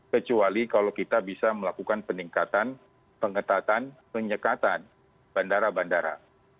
kecuali kalau kita bisa melakukan peningkatan pengetatan penyekatan bandara bandara